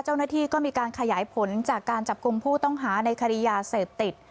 เจ้าหน้าที่ก็มีการขยายผลจากการจับกลุ่มผู้ต้องหาในคดียาเสพติด